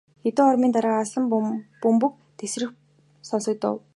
Хэдэн хормын дараа алсхан бөмбөг тэсрэх сонсогдов.